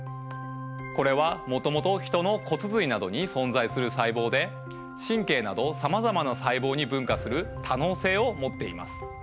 これはもともとヒトの骨髄などに存在する細胞で神経などさまざまな細胞に分化する多能性を持っています。